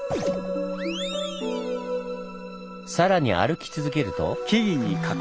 さらに歩き続けると。